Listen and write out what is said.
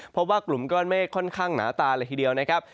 เพราะว่ากลุ่มก้อนเมฆค่อนข้างหนาตาเลยทีเดียวนะครับ